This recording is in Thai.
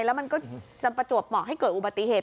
แล้วมันก็จะประจวบเหมาะให้เกิดอุบัติเหตุ